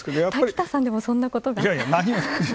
滝田さんでもそんなことが。